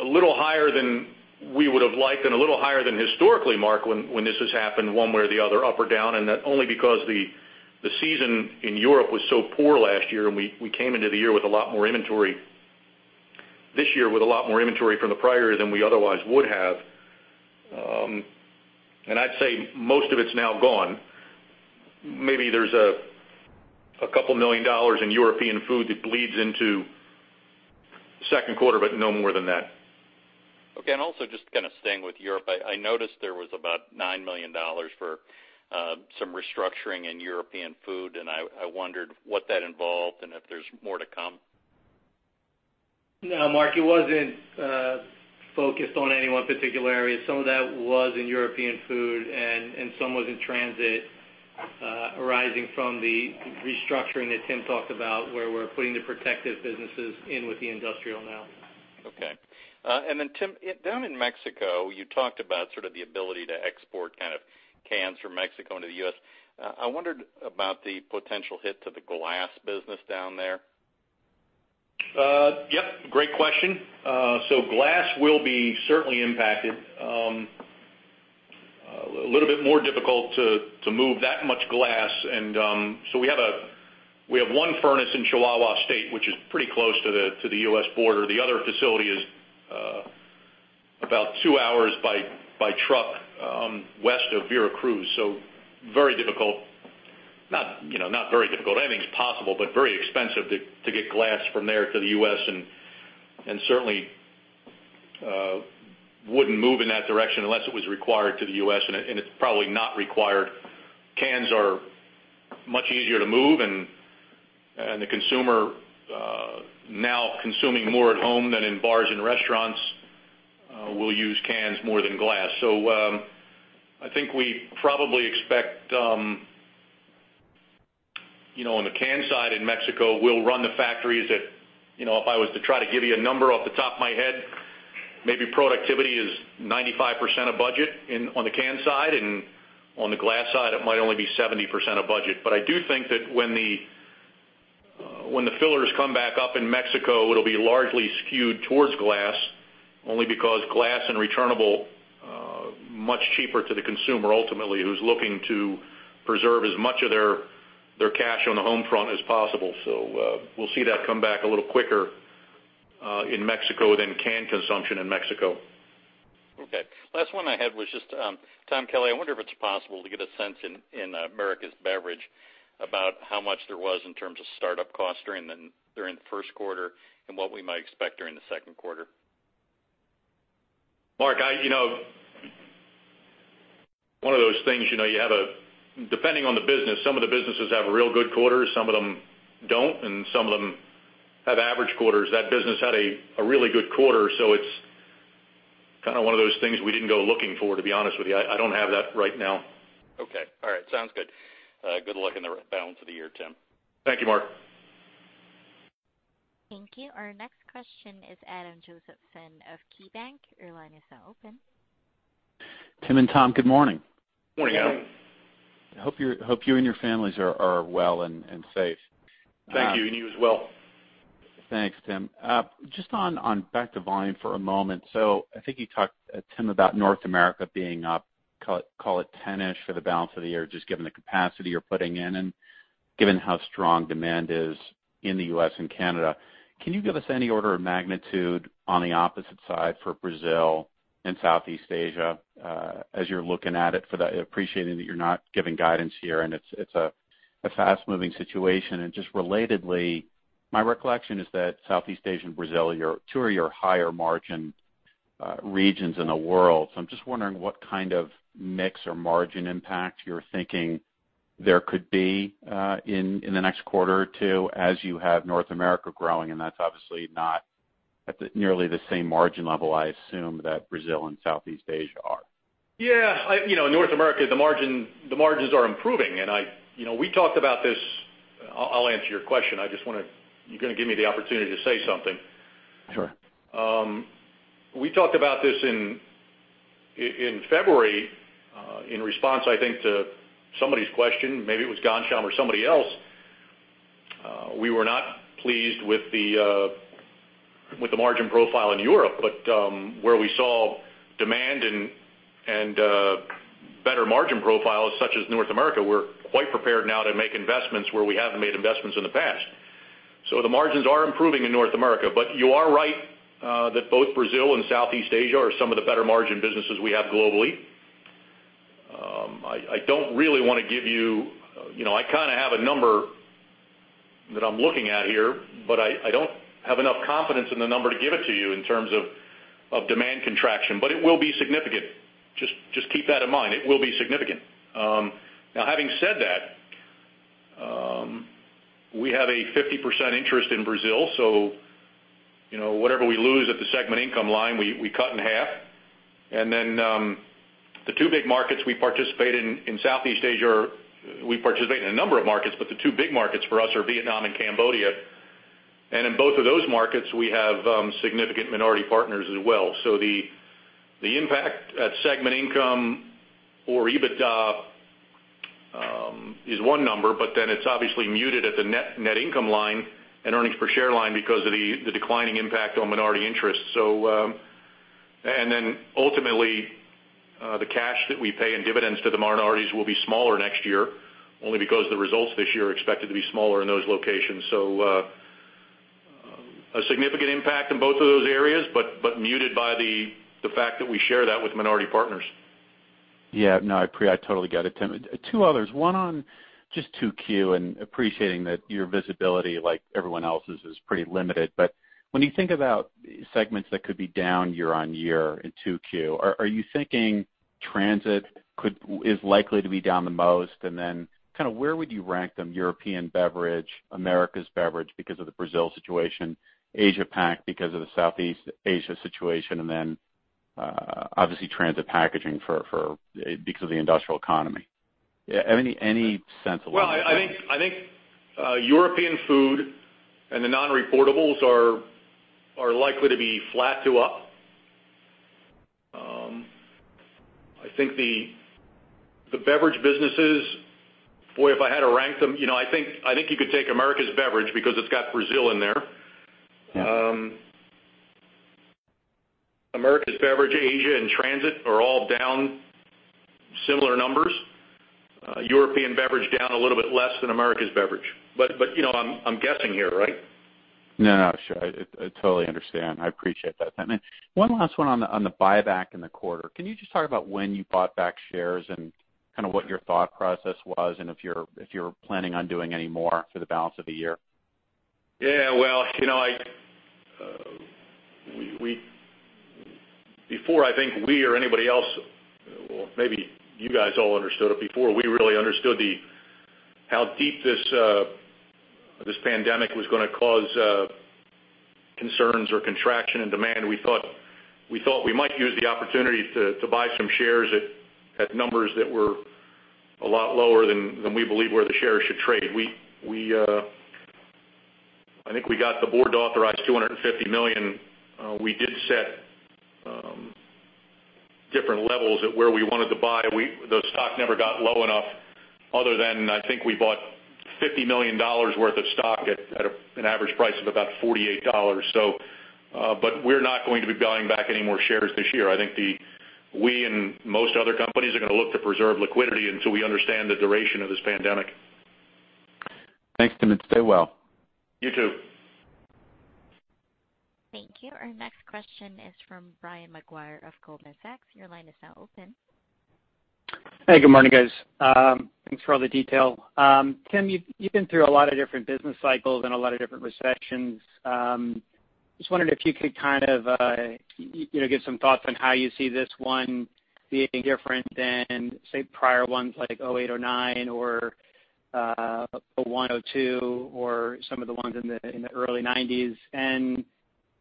A little higher than we would've liked and a little higher than historically, Mark, when this has happened one way or the other, up or down, and that only because the season in Europe was so poor last year and we came into the year with a lot more inventory. This year with a lot more inventory from the prior than we otherwise would have. I'd say most of it's now gone. Maybe there's a couple million dollars in European Food that bleeds into second quarter, but no more than that. Okay. Also just kind of staying with Europe, I noticed there was about $9 million for some restructuring in European Food, and I wondered what that involved and if there's more to come. No, Mark, it wasn't focused on any one particular area. Some of that was in European Food, and some was in transit, arising from the restructuring that Tim talked about, where we're putting the protective businesses in with the industrial now. Okay. Tim, down in Mexico, you talked about sort of the ability to export kind of cans from Mexico into the U.S. I wondered about the potential hit to the glass business down there. Yep, great question. Glass will be certainly impacted. A little bit more difficult to move that much glass. We have one furnace in Chihuahua state, which is pretty close to the U.S. border. The other facility is about two hours by truck, west of Veracruz. Very difficult. Not very difficult. Anything's possible, but very expensive to get glass from there to the U.S. and certainly, wouldn't move in that direction unless it was required to the U.S., and it's probably not required. Cans are much easier to move and the consumer, now consuming more at home than in bars and restaurants, will use cans more than glass. I think we probably expect on the can side in Mexico, we'll run the factories at, if I was to try to give you a number off the top of my head, maybe productivity is 95% of budget on the can side, and on the glass side, it might only be 70% of budget. I do think that when the fillers come back up in Mexico, it'll be largely skewed towards glass, only because glass and returnable, much cheaper to the consumer ultimately, who's looking to preserve as much of their cash on the home front as possible. We'll see that come back a little quicker, in Mexico than can consumption in Mexico. Okay. Last one I had was just, Thomas, I wonder if it's possible to get a sense in Americas beverage about how much there was in terms of startup costs during the first quarter, and what we might expect during the second quarter? Mark, one of those things, depending on the business, some of the businesses have a real good quarter, some of them don't, and some of them have average quarters. That business had a really good quarter, so it's one of those things we didn't go looking for, to be honest with you. I don't have that right now. Okay. All right. Sounds good. Good luck in the balance of the year, Tim. Thank you, Mark. Thank you. Our next question is Adam Josephson of KeyBanc, your line is now open. Tim and Tom, good morning? Morning, Adam. Morning. I hope you and your families are well and safe. Thank you, and you as well. Thanks, Tim. Just on back to volume for a moment. I think you talked, Tim, about North America being up, call it ten-ish for the balance of the year, just given the capacity you're putting in and given how strong demand is in the U.S. and Canada. Can you give us any order of magnitude on the opposite side for Brazil and Southeast Asia, as you're looking at it appreciating that you're not giving guidance here and it's a fast-moving situation. Just relatedly, my recollection is that Southeast Asia and Brazil are two of your higher margin regions in the world. I'm just wondering what kind of mix or margin impact you're thinking there could be in the next quarter or two as you have North America growing, and that's obviously not at nearly the same margin level, I assume, that Brazil and Southeast Asia are. Yeah. North America, the margins are improving. We talked about this. I'll answer your question. You're going to give me the opportunity to say something. Sure. We talked about this in February, in response, I think, to somebody's question. Maybe it was Ghansham or somebody else. We were not pleased with the margin profile in Europe, where we saw demand and better margin profiles, such as North America, we're quite prepared now to make investments where we haven't made investments in the past. The margins are improving in North America. You are right, that both Brazil and Southeast Asia are some of the better margin businesses we have globally. I don't really want to give you. I kind of have a number that I'm looking at here, I don't have enough confidence in the number to give it to you in terms of demand contraction. It will be significant. Just keep that in mind. It will be significant. Having said that, we have a 50% interest in Brazil, so whatever we lose at the segment income line, we cut in half. The two big markets we participate in Southeast Asia are. We participate in a number of markets, but the two big markets for us are Vietnam and Cambodia. In both of those markets, we have significant minority partners as well. The impact at segment income or EBITDA is one number, but then it's obviously muted at the net income line and earnings per share line because of the declining impact on minority interest. Ultimately, the cash that we pay in dividends to the minorities will be smaller next year, only because the results this year are expected to be smaller in those locations. A significant impact in both of those areas, but muted by the fact that we share that with minority partners. Yeah, no, I totally get it, Tim. Two others. One on just 2Q and appreciating that your visibility, like everyone else's, is pretty limited. When you think about segments that could be down year-on-year in 2Q, are you thinking Transit is likely to be down the most? Where would you rank them? European Beverage, Americas Beverage because of the Brazil situation, Asia Pac because of the Southeast Asia situation, obviously, Transit Packaging because of the industrial economy. Any sense of? Well, I think European Food and the non-reportables are likely to be flat to up. I think the beverage businesses, boy, if I had to rank them, I think you could take Americas Beverage because it's got Brazil in there. Yeah. Americas Beverage, Asia, and Transit are all down similar numbers. European Beverage down a little bit less than Americas Beverage. I'm guessing here, right? No, sure. I totally understand. I appreciate that, Tim. One last one on the buyback in the quarter. Can you just talk about when you bought back shares and what your thought process was and if you're planning on doing any more for the balance of the year? Yeah. Well, before I think we or anybody else, well, maybe you guys all understood it before we really understood how deep this pandemic was going to cause concerns or contraction in demand. We thought we might use the opportunity to buy some shares at numbers that were a lot lower than we believe where the shares should trade. I think we got the board to authorize $250 million. We did set different levels at where we wanted to buy. The stock never got low enough, other than I think we bought $50 million worth of stock at an average price of about $48. We're not going to be buying back any more shares this year. I think we, and most other companies, are going to look to preserve liquidity until we understand the duration of this pandemic. Thanks, Tim, and stay well. You, too. Thank you. Our next question is from Brian Maguire of Goldman Sachs, your line is now open. Hey, good morning guys? Thanks for all the detail. Tim, you've been through a lot of different business cycles and a lot of different recessions. Just wondering if you could kind of give some thoughts on how you see this one being different than, say, prior ones like 2008, 2009, or 2001, 2002, or some of the ones in the early 1990s.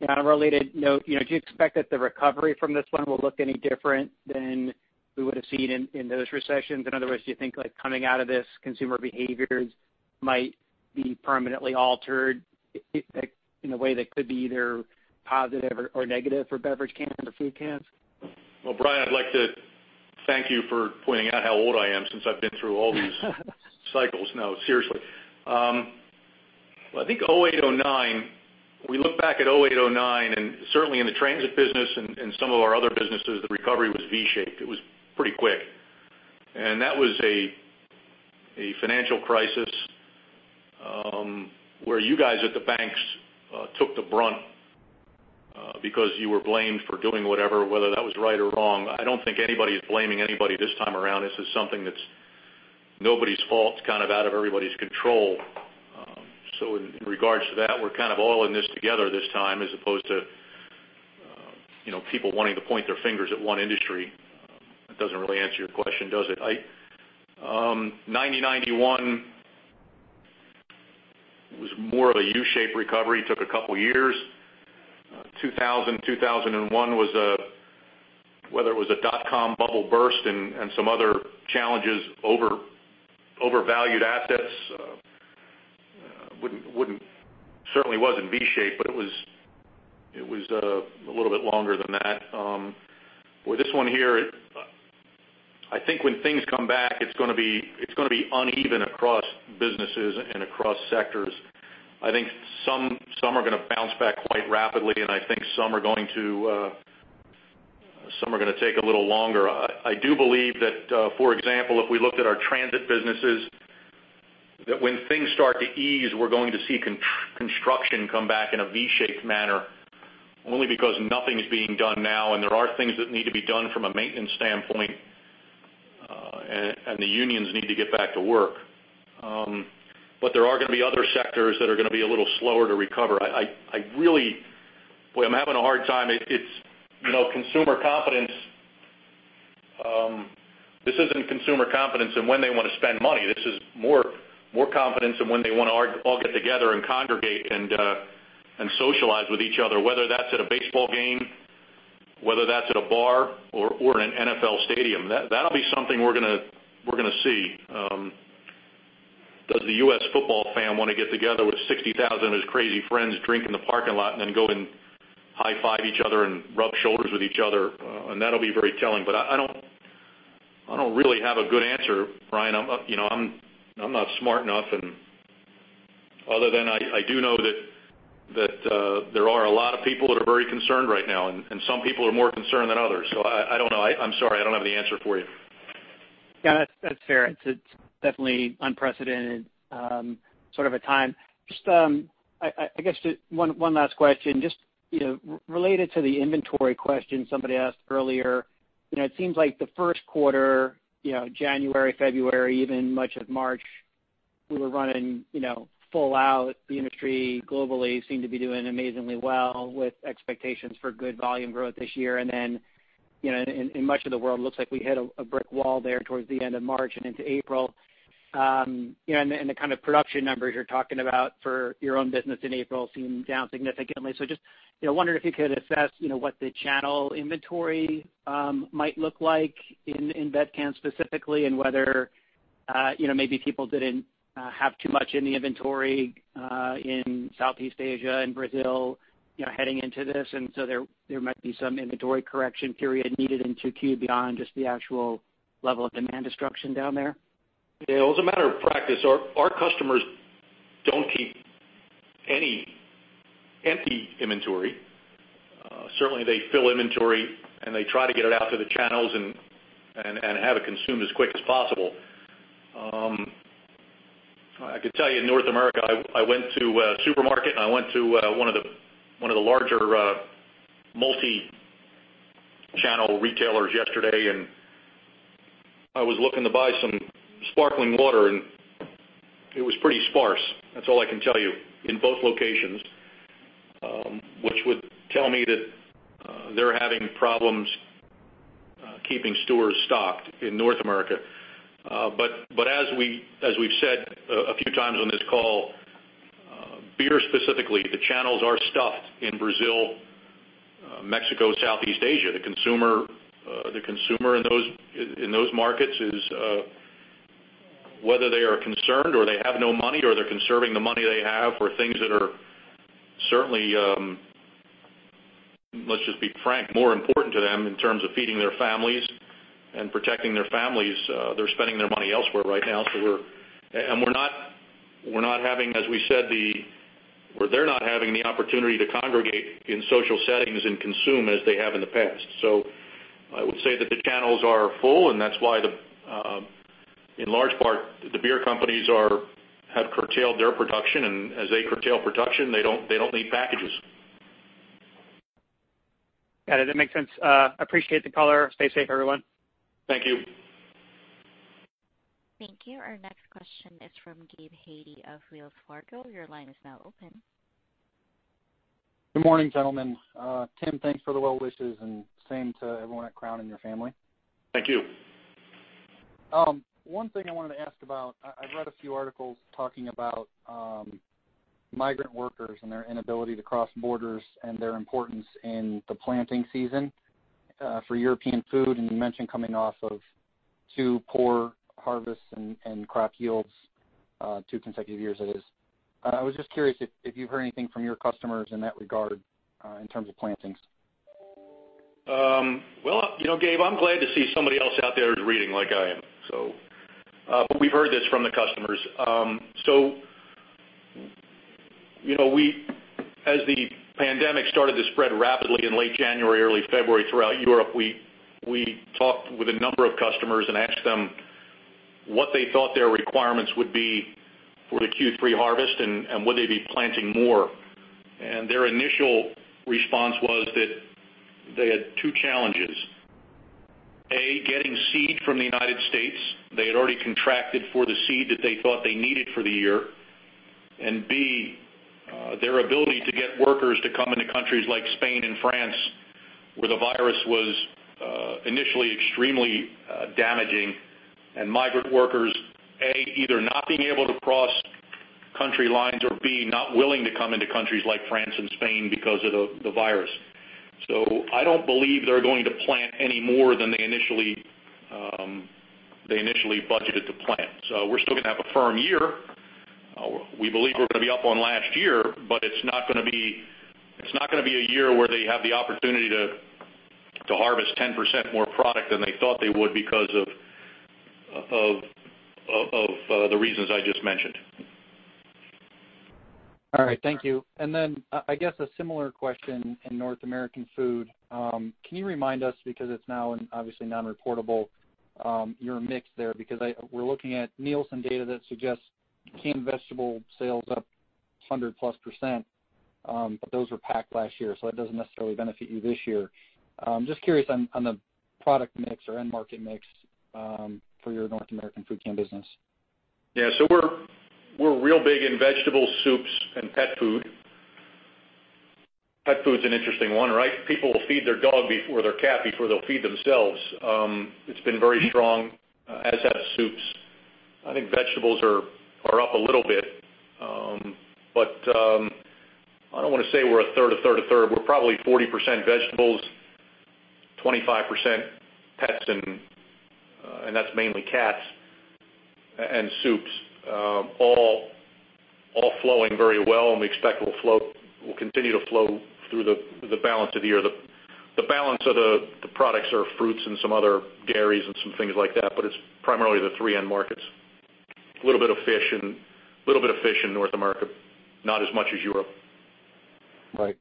On a related note, do you expect that the recovery from this one will look any different than we would've seen in those recessions? In other words, do you think coming out of this, consumer behaviors might be permanently altered in a way that could be either positive or negative for beverage cans or food cans? Well, Brian, I'd like to thank you for pointing out how old I am since I've been through all these cycles. No, seriously. Well, I think 2008, 2009, we look back at 2008, 2009, and certainly in the transit business and some of our other businesses, the recovery was V-shaped. It was pretty quick. That was a financial crisis, where you guys at the banks took the brunt, because you were blamed for doing whatever, whether that was right or wrong. I don't think anybody is blaming anybody this time around. This is something that's nobody's fault. It's kind of out of everybody's control. In regards to that, we're kind of all in this together this time, as opposed to people wanting to point their fingers at one industry. That doesn't really answer your question, does it? 1990, 1991 was more of a U-shaped recovery. Took a couple of years. 2000, 2001 was a, whether it was a dot-com bubble burst and some other challenges, overvalued assets. Certainly wasn't V-shaped, but it was a little bit longer than that. With this one here, I think when things come back, it's going to be uneven across businesses and across sectors. I think some are going to bounce back quite rapidly, and I think some are going to take a little longer. I do believe that, for example, if we looked at our transit businesses, that when things start to ease, we're going to see construction come back in a V-shaped manner, only because nothing's being done now, and there are things that need to be done from a maintenance standpoint. The unions need to get back to work. There are going to be other sectors that are going to be a little slower to recover. Boy, I'm having a hard time. This isn't consumer confidence, this isn't consumer confidence in when they want to spend money. This is more confidence in when they want to all get together and congregate and socialize with each other, whether that's at a baseball game, whether that's at a bar or in an NFL stadium. That'll be something we're going to see. Does the U.S. football fan want to get together with 60,000 of his crazy friends, drink in the parking lot, and then go and high-five each other and rub shoulders with each other? That'll be very telling. I don't really have a good answer, Brian. I'm not smart enough, other than I do know that there are a lot of people that are very concerned right now, and some people are more concerned than others. I don't know. I'm sorry, I don't have the answer for you. Yeah, that's fair. It's definitely unprecedented sort of a time. Just, I guess, one last question. Just related to the inventory question somebody asked earlier. It seems like the first quarter, January, February, even much of March, we were running full out. The industry globally seemed to be doing amazingly well with expectations for good volume growth this year. Then in much of the world, looks like we hit a brick wall there towards the end of March and into April. The kind of production numbers you're talking about for your own business in April seem down significantly. Just wondering if you could assess what the channel inventory might look like in Bev-can specifically, and whether maybe people didn't have too much in the inventory in Southeast Asia and Brazil heading into this, and so there might be some inventory correction period needed in 2Q beyond just the actual level of demand destruction down there? Yeah. Well, as a matter of practice, our customers don't keep any empty inventory. Certainly, they fill inventory, and they try to get it out to the channels and have it consumed as quick as possible. I could tell you in North America, I went to a supermarket, and I went to one of the larger multi-channel retailers yesterday, and I was looking to buy some sparkling water, and it was pretty sparse. That's all I can tell you. In both locations. Which would tell me that they're having problems keeping stores stocked in North America. As we've said a few times on this call, beer specifically, the channels are stuffed in Brazil, Mexico, Southeast Asia. The consumer in those markets is, whether they are concerned or they have no money or they're conserving the money they have for things that are certainly, let's just be frank, more important to them in terms of feeding their families and protecting their families. They're spending their money elsewhere right now. We're not having the opportunity to congregate in social settings and consume as they have in the past. I would say that the channels are full, and that's why in large part, the beer companies have curtailed their production. As they curtail production, they don't need packages. Got it. That makes sense. Appreciate the call. Stay safe, everyone. Thank you. Thank you. Our next question is from Gabe Hajde of Wells Fargo, your line is now open. Good morning, gentlemen? Tim, thanks for the well wishes, and same to everyone at Crown and your family. Thank you. One thing I wanted to ask about, I read a few articles talking about migrant workers and their inability to cross borders and their importance in the planting season for European Food. You mentioned coming off of two poor harvests and crop yields, two consecutive years that is. I was just curious if you've heard anything from your customers in that regard in terms of plantings. Well, Gabe, I'm glad to see somebody else out there is reading like I am. We've heard this from the customers. As the pandemic started to spread rapidly in late January, early February throughout Europe, we talked with a number of customers and asked them what they thought their requirements would be for the Q3 harvest, and would they be planting more. Their initial response was that they had two challenges. A, getting seed from the United States. They had already contracted for the seed that they thought they needed for the year. B, their ability to get workers to come into countries like Spain and France, where the virus was initially extremely damaging. Migrant workers, A, either not being able to cross country lines or, B, not willing to come into countries like France and Spain because of the virus. I don't believe they're going to plant any more than they initially budgeted to plant. We're still going to have a firm year. We believe we're going to be up on last year, but it's not going to be a year where they have the opportunity to harvest 10% more product than they thought they would because of the reasons I just mentioned. All right. Thank you. I guess a similar question in North American food. Can you remind us, because it's now obviously non-reportable, your mix there? We're looking at Nielsen data that suggests canned vegetable sales up 100+%, but those were packed last year, so that doesn't necessarily benefit you this year. I'm just curious on the product mix or end market mix for your North American food can business. We're real big in vegetables, soups, and pet food. Pet food's an interesting one, right? People will feed their dog or their cat before they'll feed themselves. It's been very strong, as have soups. I think vegetables are up a little bit. I don't want to say we're a third, a third, a third. We're probably 40% vegetables, 25% pets, and that's mainly cats, and soups. All flowing very well and we expect will continue to flow through the balance of the year. The balance of the products are fruits and some other dairies and some things like that, but it's primarily the three end markets. A little bit of fish in North America, not as much as Europe. Right.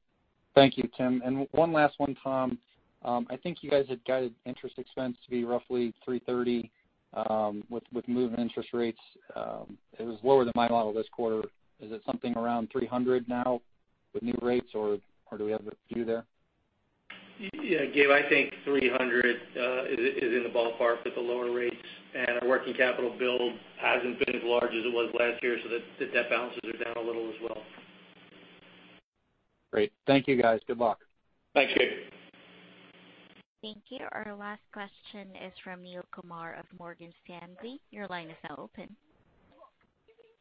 Thank you, Tim. One last one, Thomas. I think you guys had guided interest expense to be roughly $330 with movement interest rates. It was lower than my model this quarter. Is it something around $300 now with new rates or do we have a view there? Yeah, Gabe, I think $300 is in the ballpark with the lower rates. Our working capital build hasn't been as large as it was last year. That balances it down a little as well. Great. Thank you guys. Good luck. Thanks, Gabe. Thank you. Our last question is from Neel Kumar of Morgan Stanley, your line is now open.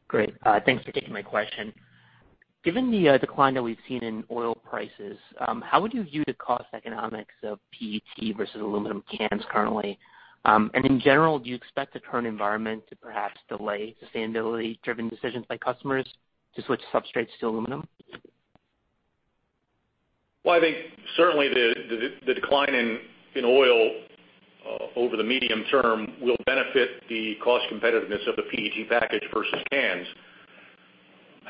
Great. Thanks for taking my question. Given the decline that we've seen in oil prices, how would you view the cost economics of PET versus aluminum cans currently? In general, do you expect the current environment to perhaps delay sustainability driven decisions by customers to switch substrates to aluminum? Well, I think certainly the decline in oil over the medium term will benefit the cost competitiveness of the PET package versus cans.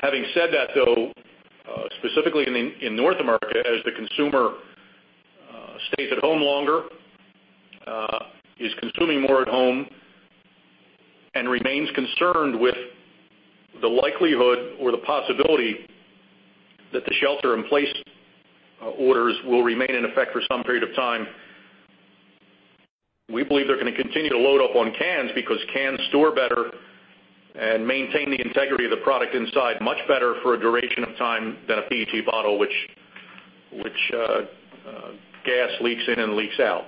Having said that though, specifically in North America, as the consumer stays at home longer, is consuming more at home, and remains concerned with the likelihood or the possibility that the shelter-in-place orders will remain in effect for some period of time, we believe they're going to continue to load up on cans because cans store better and maintain the integrity of the product inside much better for a duration of time than a PET bottle, which gas leaks in and leaks out.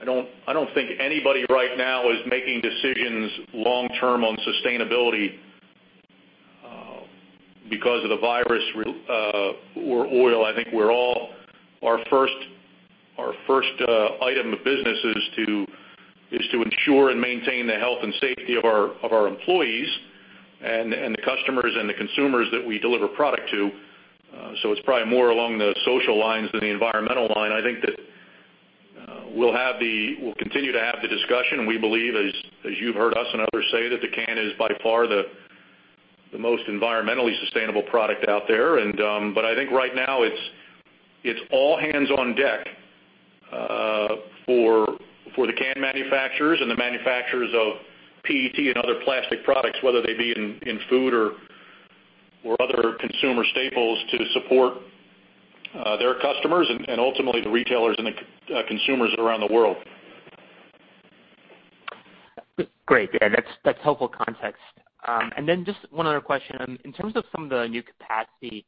I don't think anybody right now is making decisions long term on sustainability because of the virus or oil. I think our first item of business is to ensure and maintain the health and safety of our employees and the customers and the consumers that we deliver product to. It's probably more along the social lines than the environmental line. I think that we'll continue to have the discussion. We believe, as you've heard us and others say, that the can is by far the most environmentally sustainable product out there. I think right now it's all hands on deck for the can manufacturers and the manufacturers of PET and other plastic products, whether they be in food or other consumer staples, to support their customers and ultimately the retailers and the consumers around the world. Great. Yeah, that's helpful context. Then just one other question. In terms of some of the new capacity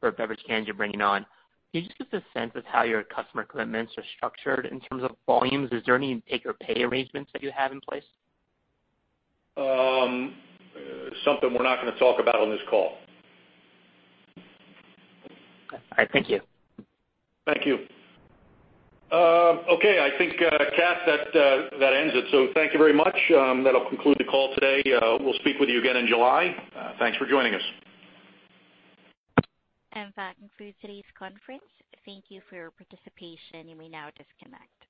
for beverage cans you're bringing on, can you just give us a sense of how your customer commitments are structured in terms of volumes? Is there any take-or pay arrangements that you have in place? Something we're not going to talk about on this call. Okay. All right. Thank you. Thank you. Okay, I think, Cath, that ends it. Thank you very much. That'll conclude the call today. We'll speak with you again in July. Thanks for joining us. That concludes today's conference. Thank you for your participation, you may now disconnect.